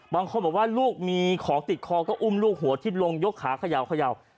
บางคนบอกว่าลูกมีของติดคอก็อุ้มลูกหัวทิศลงยกขาเขย่า